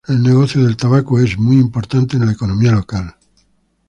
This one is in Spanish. El negocio del tabaco es un importante en la economía local.